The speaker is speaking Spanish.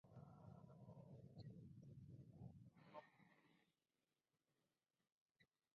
Es en este momento cuando su salón toma un cariz netamente político.